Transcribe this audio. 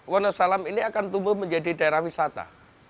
wonosalam ini akan tumbuh menjadi daerah wisata